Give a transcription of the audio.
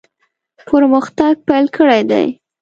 پرمختګ پیل کړی دی.